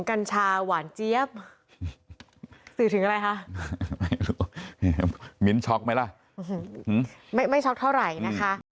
กันชาหวานเจี๊ยบสื่อถึงอะไรคะมิ้นช็อคไหมล่ะไม่ช็อคเท่าไหร่นะคะ